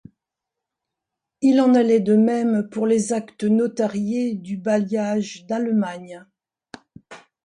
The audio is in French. Il en allait de même pour les actes notariés du bailliage d'Allemagne.